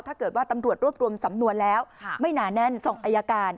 ถ้าเกิดว่าตำรวจรวบรวมสำนวนแล้วไม่หนาแน่นส่งอายการ